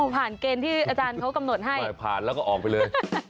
ผ่านเกณฑ์ที่อาจารย์เขากำหนดให้ผ่านแล้วก็ออกไปเลย